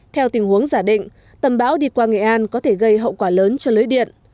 theo tình huống giả định tầm bão đi qua nghệ an có thể gây hậu quả lớn cho lưới điện